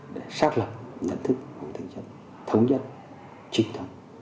để xác lập nhận thức của một thế trận thống nhất trịnh thần